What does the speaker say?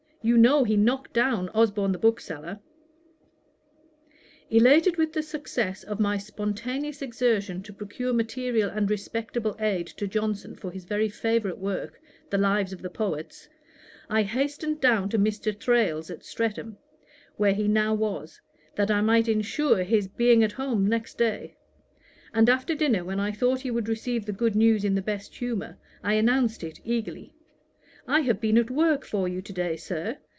You know he knocked down Osborne the bookseller.' Elated with the success of my spontaneous exertion to procure material and respectable aid to Johnson for his very favourite work, The Lives of the Poets, I hastened down to Mr. Thrale's at Streatham, where he now was, that I might insure his being at home next day; and after dinner, when I thought he would receive the good news in the best humour, I announced it eagerly: 'I have been at work for you to day, Sir.